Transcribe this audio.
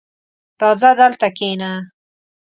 راځه دلته کښېنه!